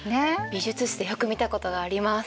美術室でよく見たことがあります。